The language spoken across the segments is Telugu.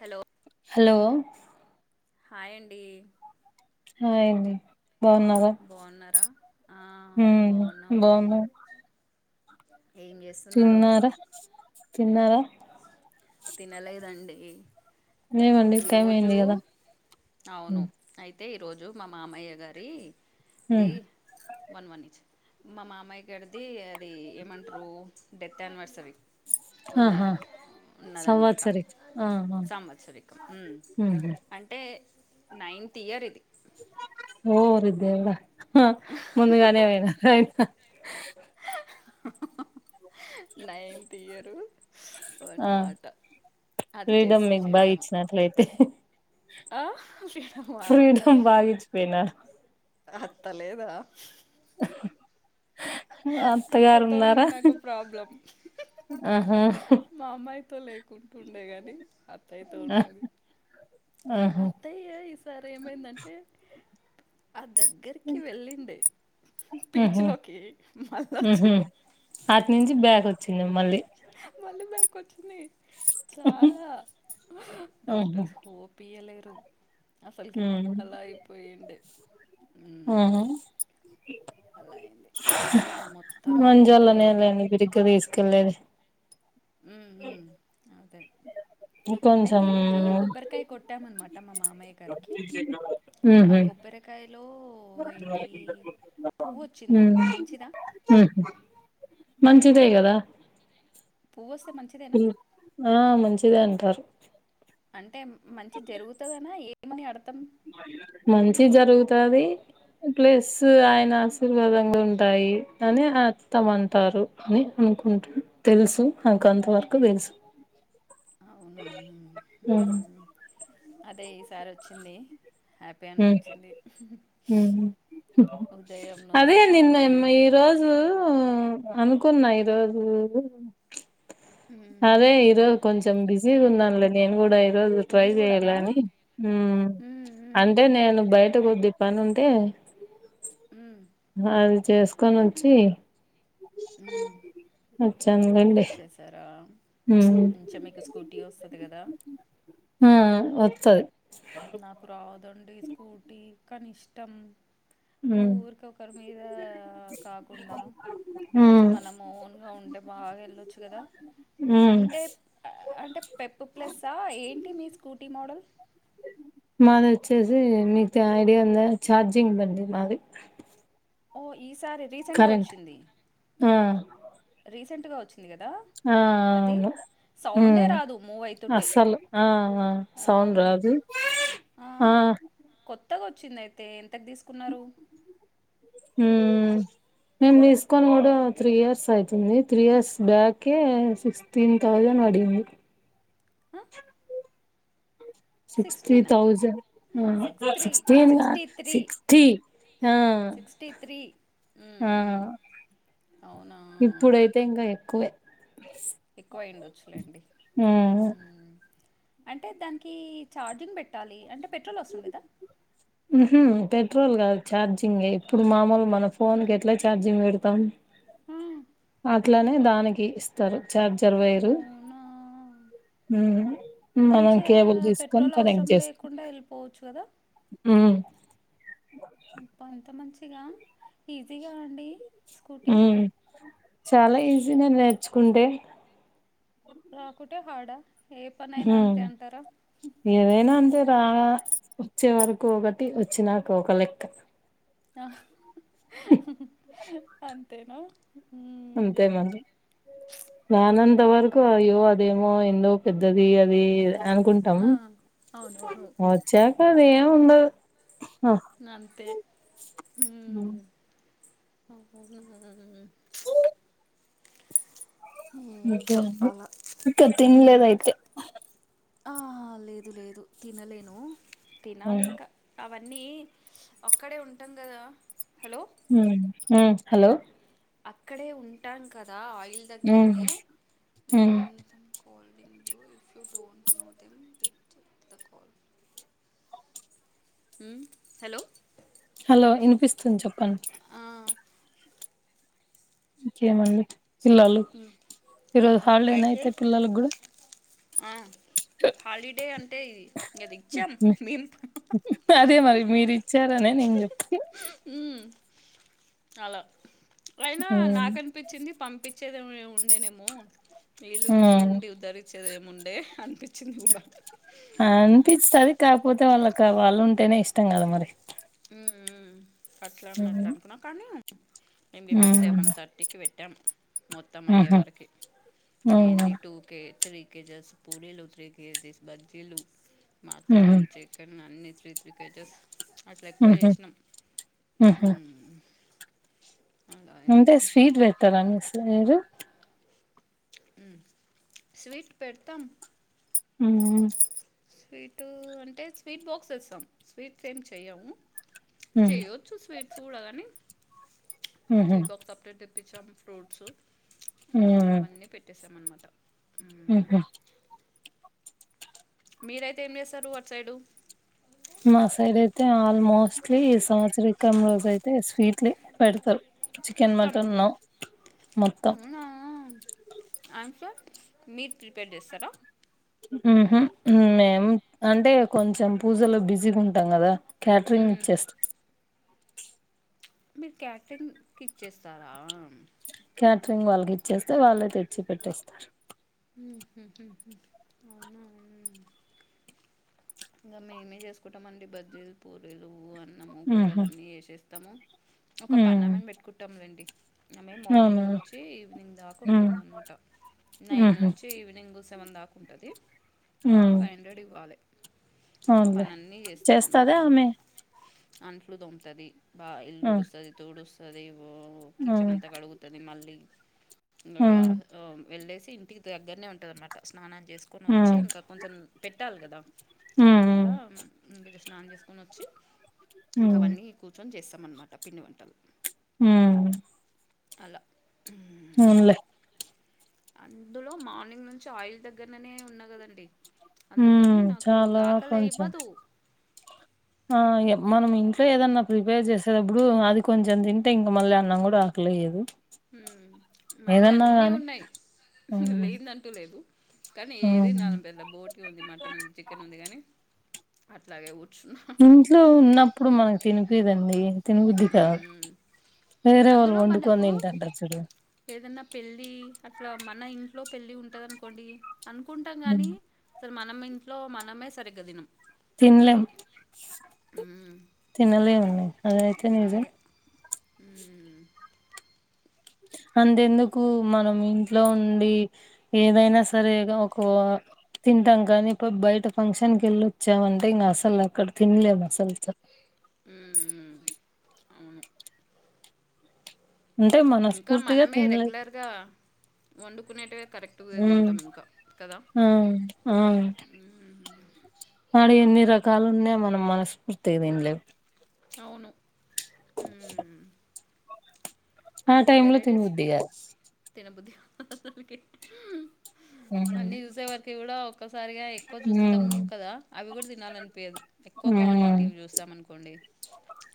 హలో హలో హాయ్ అండి హాయ్ అండి బావున్నారా బాగున్నారా ఆ హ్మ్ బాగున్నాము బావున్నా ఏం జెత్ తిన్నర తిన్నరా తినలేదండి లేవండి టైం ఈరోజు అయింది కదా అవును అయితే ఈరోజు మా మామయ్య గారి ది హ్మ్ వన్ వన్ మా మామయ్య గారిది అది ఏమంటరు డెత్ ఆనివర్సరీ ఉంద ఆహా ఉన్నదనమాట సంవత్సరిక్ ఆహా సంవత్సరిక్ ఉమ్ హ్మ్ అంటే నైన్త్ ఇయర్ ఇది ఓరి దేవుడా ముందుగానే పోయినాడయిత్ నైన్త్ ఇయరు ఆ అనమాట అది చేసి చేసాము అట్లయితే ఆ శ్రీరామ ఫ్రీడమ్ బాగా ఇచ్చిపోయినారు అత్తలేదా అత్త అత్తగారు తోనీ ఉన్నారా నాకు ప్రాబ్లమ్ ఆహా మామయతో లేకుంటుమ్డే గానీ అత్తయతో ఉన్నది ఆహా అత్తయ్య ఈసారి ఏమైందంటే ఆ దగ్గరికి వెళ్ళింది ఉహు పీచ్ లోకి ఉహు మళ్లొచ్చింది అటు నుంచి బ్యాక్ వచ్చింది మళ్ళీ మళ్ళీ బ్యాక్ వచ్చింది చాలా ఆహా డాక్టర్స్ ఓ పీ యలేరు అసల్ కీ హ్మ్ అలా అయ్యిపోయిండే ఉమ్ ఆహా అయితే ఇక మొత్తం ఈరోజు మంజోళ్ళనే లేండి బిరిగ్గా దీస్కెళ్లేది ఉమ్ హుమ్ అదే ఐతే కొంచెం ఇ రోజూ కొబ్బరికాయ్ కొట్టామన్మాట మా మామయ్య గారికీ ఆ ఉహు కొబ్ బ్బెరకాయలో ఏంటీ పువ్వొచ్చింది మంచిదా ఉమ్ హు మంచిదే గదా పువ్వొస్తే మంచి పూ ఆ మంచిదే అంటారు అంటే మంచి జరుగుతదనా ఏమని అర్థం మంచి జరుగుతాదీ ప్లస్సు ఆయన ఆశీర్వాదం లుంటాయి అని ఆత్తమంటారు అని అనుకుంటు తెల్సు నాకంతవర్కు దెల్సు అవునవును ఉమ్ అదే ఈ సారొచ్చిందీ హ్యాపీ ఉమ్ అనిపిచ్చింది ఉమ్ ఉదయం నుంచీ అండీ రోజూ అనుకున్న ఈ రోజు దు హ్మ్. అదే ఈరోజు కొంచెం బిజీ హ్మ్. గున్నాన్లే నేన్ గుడ ఈరోజు ట్రై జేయలనీ ఉమ్ అంటే నేను బైట కొద్దిగ్ పనుంటే ఉమ్ అది చేస్కోనొచ్చీ ఉమ్ చందండి తరా ఉమ్ కొంచ మీకు స్కూటీ వస్తది గదా హువ్ వచ్చది నాకు రాదండి స్కూటీ కనిష్టం మ్మ్ పూర్క ఒకర్ మీదా కాకుండా మంచి మ్మ్ మనం ఓన్గా ఉంటే బాగ ఎళ్ళొచ్చు గదా మ్మ్ పెప్పు ప్లస్సా ఏంటి మీ స్కూటీ మాడల్ మాదొచ్చేసీ మీక్ త్యా ఐడియా ఉంద్యా ఛార్జింగ్ దండి మాది ఓ ఈ సారి దీస్ కరెంట్ ఆ రీసెంట్గా వచ్ ఆ ఔను సౌండే ఉమ్ రాదు మూవ్ అవుతుంటే అస్సలు ఆఁ ఆ సౌండ్ అవును రాదు ఆ కొత్తగొచ్చిందైతే ఎంతగ్ దీస్కున్నరూ హుమ్ మేం దీస్గోని గుడా త్రీ ఇయర్స్ ఐతుంది త్రీ ఇయర్స్ బ్యాకే సిక్స్ టీన్ థౌజండ్ వడింది అ సిక్స్టీ సిక్స్టీనా థౌజండ్ సిక్స్ త్రీ సిక్స్టీన్ కాదు సిక్స్టీ త్రీ సిక్స్టీ ఆ సిక్స్టీ త్రీ ఊ ఆ ఊ అవునా తే ఇంగా ఎక్కువే ఎక్కువ అయ్యుండొచ్చు లేండి ఊ హ్మ్ అంటే దాన్కీ ఛార్జింగ్ బెట్టాలి అంటే పెట్రోలొస్తుందిద ఉహూ పెట్రోల్ గాదు ఛార్జింగే ఇప్పుడు మామొల్ మన ఫోన్ కి ఎట్ల ఛార్జింగ్ వెడుతాం ఆ ఆట్లనే దానికి ఇస్తారు చార్జర్ వయరు అవునా ఉ మనం మంచిగా కేబుల్ దీస్కొన్ పెట్రోల్ కనెక్ట్ అవసరం జేస్ లేకుండా వెళ్ళిపోవచ్చు కదా ఊమ్ అబ్బా ఎంత మంచిగా ఈజిగా అండి స్కూటీ ఊ చాలా ఈజీనే నేర్చుకుంటే రాకుటే హాడా ఏ పనైనా అంతే ఉమ్ అంటారా ఏదైనా అంతే రా వొచ్చే వరకు ఒగటి వచ్చినాక ఒక లెక్క అంతేనా అంతే మ్మ్ మళ్ళి రానంత బా వరుకు అయ్యో అదేమో ఎందో పెద్దదీ అది అనుకుంటాం ఆ అవునవును వాచ్చాక అదేముండదు హ హూ ఓహ [unintelligible] ఓకే హేంటో అండి అలా ఇంకా ఉహూ తినలేదు అయితే ఆహ లేదు లేదు తినలేను తినాలి ఉమ్ ఇంకా అవన్నీ అక్కడే ఉంటాం గదా హలో ఊ ఊహలో అక్కడే ఉంటాన్ కదా ఆయిల్ ఉమ్ దగ్గెరెనే ఊ ఉమ్ call ding you if you don't know them విక్జెక్ ద కాల్ ఉ హలో హలో ఇనిపిస్తుంద్ చొప్పండి ఆ ఇంకేమండి పిల్లలు ఉమ్, ఈరోజు హాల్డేన అయితే పిల్లలగ్గుడ ఆ హాలిడే అంటే ఇది ఇంగదిచ్చాం మేమ్ అదే మరి మీరిచ్చారనే నేన్ చెప్తు ఊ అలా వైనా హ్మ్. నాకన్పి చ్చింది పంపించేదే ఉండేనేమో వీళ్ళు హ్మ్. చూండి ఉద్దరిచ్ చ్చేది ఏముండే అన్పిచ్యింది గూడ అన్పిస్తది కాక్పోతే వాళ్ళక వాళ్ళుంటేనే ఇష్టం గదా మరి ఊ ఊ ఉ కట్లాన్నట్టు హ్మ్. అనుకున్నా కానీ మేం గెప్పుడు సెవెన్ హ్మ్. థర్ ర్టీకి వెట్యాం మోత్తం అయ్యే హుహు. వరకి ఏంది హ్మ్. టూకేస్తది కేజస్ పూడీలు త్రీకేజెస్ బజ్జీలు మటను హుహు. చక్కెను [unintelligible] కేజెస్ అట్ల ఎక్కువ హుహు. జేస్నాం హుహు. ఉహూ అంటే స్వీటు బెట్టర అనేసి మీరు ఊ స్వీటు పెడ్తాం ఉహూ స్వీటూ అంటే స్వీట్ బాక్స్ దెస్సం స్వీట్స్ ఏమ్ చెయ్యము హ్మ్. చెయ్యొచ్చు స్వీట్సు గుడా గనీ హుహు. స్వీట్ బాక్స్ సప్రేట్ దెప్పిచ్చాం ఫ్రూట్సు ఇంకా హ్మ్. అవన్నీ పెట్టేసాం అన్మాట ఊహ మీరైతే ఏం ఏస్తారు అట్ సైడూ మా సైడ్ అయితే ఆల్మోస్ట్లీ ఈ సంవత్సరికం రోజు అయితే స్వీట్లే పెడతారు చికెన్ మొత్తం మటన్న మొత్తం ఆం ఫర్ మీట్ ప్రిపేర్ చేస్తారా ఊహు మేం అంటే కొంచెం పూజలో బిజీగా ఉంటాం కదా క్యాటరింగ్ హ్మ్. ఇచ్చేస్తా మీరు క్యాటరింగ్కి ఇచ్చేస్తారా క్యాటరింగ్ వాళ్ళకి ఇచ్చేస్తే వాళ్ళు తెచ్చి పెట్టేస్తారు అవున ఊ ఇంకా మేమే చేసుకుంటాం అండి బజ్జీలు పూరీలు అని అన్నము ఉహు కూరలు అన్నీ వేసేస్తాము ఒక ఉమ్ పన్నామన్ పెట్టుకుంటాములేండి ఆమె అవునా మార్నింగ్ నుంచి ఈవినింగ్ దాకా ఉమ్ ఉంటుందన్నమాట నైన్ ఉహు నుంచి ఈవినింగ్ సెవెన్ దాకాంటుంది ఉమ్ ఫైవ్ హండ్రెడ్ ఇవ్వాలి అవునులే పని అన్నీ చేస్తది అనమాట చేస్తాదా ఆమా ఆమె అంట్లు దొముతది బా ఇల్లు ఆ ఉడుస్తది తుడుస్తది ఒ ఆ కిచెన్ అంతా కడుగు టది మళ్ళీ ఇంగ ఉమ్ వెళ్ళేసి ఇంటికి దగ్గరనే ఉంటందినమాట స్నానాని చేసుకొని వచ్చి ఉమ్ ఇంకా కొంచెం పెట్టాలి కదా అట్లా ఉమ్ ఇంక ఈడ స్నానం చేసుకొని వచ్చి ఇంక ఉమ్ అవన్నీ కూర్చొని చేస్తామన్నమాట పిండి వంటలు ఊ అలా ఊ అవునులే అందులో మార్నింగ్ నుంచి ఆయిల్ దగ్గరననే ఉన్నా కదండి అందుకని ఉమ్ నాకు కు ఇగ చాలా ఆకలే కొంచెం ఇవ్వదు ఆ ఇగ మనం ఇంట్లో ఏదన్నా ప్రిపేర్ చేసేటప్పుడు అది కొంచెం తింటే ఇంక మల్లా అన్నాం కూడా లేదు మళ్ళీ అన్నీ ఉన్నాయి ఉమ్ లేందంటూ లేదు కానీ ఏది ఉమ్ నాదం పెద్ద బోటి ఉంది మటన్ ఉంది చికెన్ ఉంది కానీ అట్లాగే ఊడ్చున ఇంట్లో ఉన్నప్పుడు మనకు తినిపీదండి తినుబుద్ది కాదు ఉమ్. వేరే వాళ్ళు అందులో వండుకొని మనకు దింటాంటరు చూడు ఏదన్నా పెళ్ళి అట్లా మన ఇంట్లో పెళ్ళి ఉంటది అనుకోండి అనుకుంటాం హ్మ్. కానీ అసలు మనం ఇంట్లో మనమే సరిగ్గా దినం తినలేం అసలికి తినలేమండి అదయితే నిజం ఊ అంతెందుకు మనం ఇంట్లో ఉండి ఏదైనా సరేగా ఒకా తింటాం కానీ ఇప్పు బయట ఫంక్షన్ కెళ్ళొచ్చామంటే ఇంకా అసలు అక్కడ తినలేము అసలు స ఊ అవును అంటే ఇంకా మనస్ఫూర్తిగా మనమే తినలేము రెగ్యులర్గా వండుకునేటివే కరెక్ట్ టూవె తింటాం ఇంకా కదా ఆ ఆ ఉ ఆడ ఎన్ని రకాలు ఉన్న మనం మనస్ఫూర్తిగా తినలేము అవును ఊ ఆ అన్ని టైమ్ లో వెరైటీస్ తినబుద్ది కాదు తినబుద్ధి అసలకి ఉమ్ అన్నీ చూసేవరకి కూడా ఒక్కసారిగా ఎక్కువ చూస్తాము ఉమ్ కదా అవి కూడా తినాలనిపీయదు ఎక్కువ ఉమ్ క్వాంటిటీవి చూస్ ద్దామనుకోండి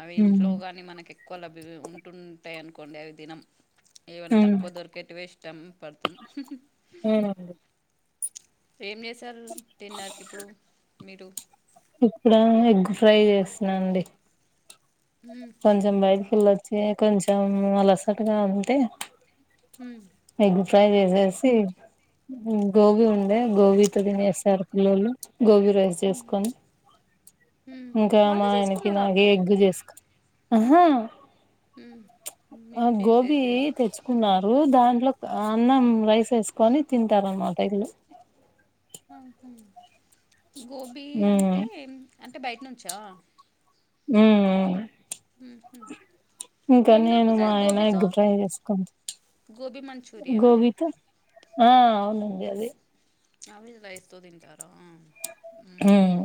అవి ఉమ్ ఇంట్లో కానీ మనకి ఎక్కువ లబ్యా ఉంటుంటాయినుకో కొండేవి తినం ఏమైనా ఉమ్ తక్కువ దొరికేటివే ఇష్టం పడతాం [unintelligible] ఏం చేశారు తిండానికి ఇప్పుడు మీరు ఇప్పుడ ఎగ్ ఫ్రై చేసినా అండి ఉహు కొంచెం బయటకెళ్లొచ్చి కొంచెం అలసటగా ఉంటే హ్మ్ ఎగ్ ఫ్రై చేసేసి గోబీ ఉండే గోబీతో తినేసారు పిల్లోళ్ళు గోబీరైస్ చేస్కొని ఉమ్ ఇంకా వాళ్ళే మా ఆయనకి చేసుకున్నారా నాకు ఎగ్ చేస్ ఆహ ఉమ్ మీరు గోబీ చేసేసేది తెచ్ కున్నారు దాంట్లో అన్నం రైస్ ఎసుకొని తింటాన్మాట ఇలు ఆ హ్మ్ గోబీ ఉమ్ అంటే అంటే బయట్నుంచా మ్మ్ మ్మ్ హు ఇంకా నేను మా ఆయన ఎగ్ ఫ్రై చేస్కొని గోబీ మంచూరియనా గోబీతో ఆ అవును గదే [unintelligible] రైస్ తో తింటారా ఆ హు హ్మ్ ఉమ్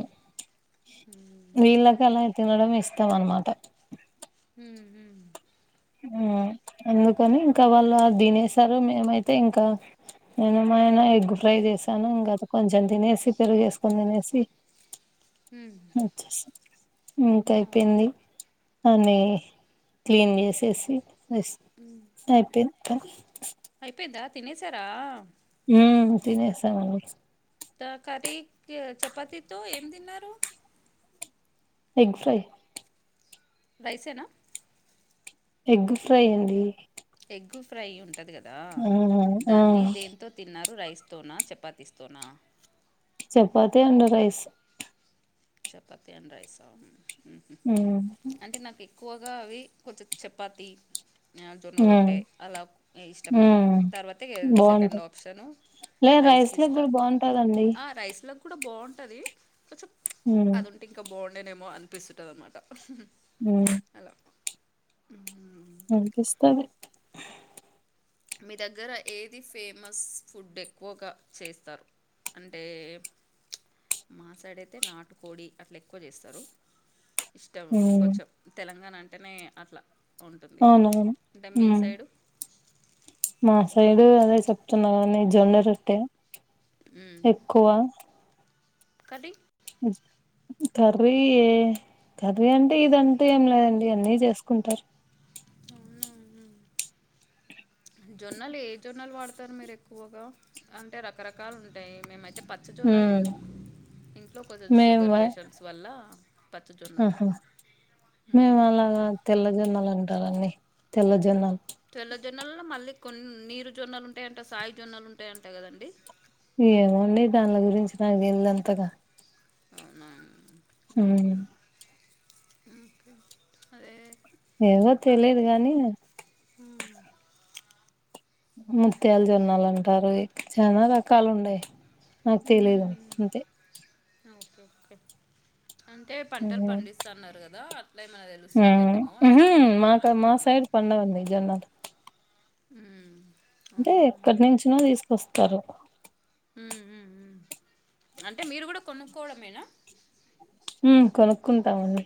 వీళ్ళకి అలా తినడం ఇష్టం అన్మాట హ్మ్ హు ఆ అందుకని ఇంకా వాళ్ళు అది తినేసారు మేమైతే ఇంకా నేను మాయన ఎగ్ ఫ్రై మ్మ్ చేసాను ఇంకా అది కొంచెం తినేసి పెరుగేస్కొని తినేసి హ్మ్ మంత్ అయిపోయింది అని క్లీన్ చేసేసి మ్మ్ అయిపోయింది పని అయిపోయిందా తినేసారా హ్మ్ తినేసామండి త కర్రీ క్ చపాతితో ఏమ్ తిన్నరు ఎగ్ ఫ్రై రైసేనా ఎగ్గు ఫ్రై అండి ఎగ్గు ఫ్రై ఉంటంది కదా ఆ ఆ దాన్ని దేని తో తిన్నారు రైస్తోనా చపాతీస్ స్తోనా chapati and rice chapati and రైసా హు హ్మ్ హ్మ్ హ్ అంటే నాకు ఎక్కువగా అవి కొంచెం చపాతి జొన్న ఉమ్ రొట్టె అలా ఇష్టం అనమాట ఉమ్ తర్వాత ఇగ బాగుంటది సెకండ్ ఆప్షను లే రైస్కి రైస్ ల ఇస్తా గుడా బాగుంటది ఆ రైస్ లొ కుడా బాగుంటది కొంచం ఉమ్, అది ఉంటే ఇంకా బాగుండేనేమో అనిపిస్తుంటది అనమాట మ్మ్ అల అనిపిస్తది మీ దగ్గర ఏది ఫేమస్ ఫుడ్ ఎక్కువగా చేస్తారు అంటే ప్చ్ మాసైడితే నాటుకోడి అట్లా ఎక్కువ చేస్తరు ఇష్టం ఉమ్, కొంచెం తెలంగాణ అంటేనే అట్లా ఉంటుంది అవునవును అంటే మీ ఉమ్, సైడు మా సైడు అదే చెప్తున్నా కదా అండి జొన్నారోట్టే ఉమ్, ఎక్కువ కర్రీ కర్రీ ఏ కర్రీ అంటే ఇదంటూ ఏం లేదండి అన్నీ చేసుకుంటారు అవునా ఉ జొన్నలు ఏ జొన్నలు వాడతారు మీరు ఎక్కువగా అంటే రకరకాలు ఉంటాయి మేమైతే అంటే పచ్చజొన్నలు ఉమ్, ఇంట్లో కొంచం షుగర్ పేషెంట్స్ వల్ల పచ్చ జొన్నలు ఉహు మేము అలాగ కాదు తెల్లజొన్నలు అంటారు అన్నీ తెల్లజొన్నలు తెల్ల జొన్నలలో మల్లి కొన్ని నీరు జొన్నలు ఉంటాయంట సాయి జొన్నలు ఉంటాయంటా కదా అండి ఏమొ అండి దాన్ల గురించి నాకు తేల్దు అంతగా అవునా ఉమ్ హు ఓకే అదే ఏవొ తెలిదుగానీ అవునా ముత్యాల్ జొన్నలు అంటారూ చానా రకాలు ఉండయి నాకు తెలీదు అంతే ఓకేఓకే అంటే పంటలు పండిస్తన్నారు గదా లా ఏమైనా తెలుస్తదేమో అని అనుకుంటున్నా పండవు అండి జోన్నలు ఉమ్ అంటే ఎక్కడ నించినో తీసుకొస్తారు ఉ ఊ అంటే మీరు గూడా కొనుక్కోవడమేనా ఉ కొనుక్కుంటామండి